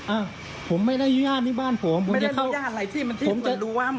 อ่าผมไม่ได้อนุญาตในบ้านผมไม่ได้อนุญาตอะไรที่มันที่ส่วนรวม